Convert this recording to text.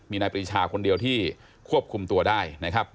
มีนายปรีชาคนเดียวที่ควบคุมตัวได้นะครับ